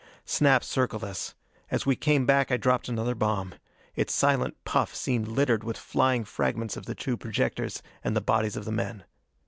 Snap circled us. As we came back I dropped another bomb. Its silent puff seemed littered with flying fragments of the two projectors and the bodies of the men.